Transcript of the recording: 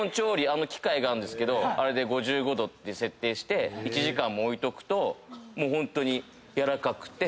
あの機械があるんですけどあれで５５℃に設定して１時間も置いとくともうホントに軟らかくて。